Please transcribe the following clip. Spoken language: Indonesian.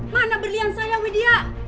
mana berlian saya widya